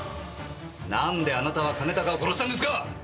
なんであなたは兼高を殺したんですか！